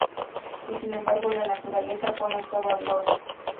Y sin embargo, la naturaleza pone todo en orden.